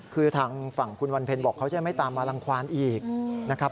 คือทางฝั่งคุณวันเพ็ญบอกเขาจะไม่ตามมารังความอีกนะครับ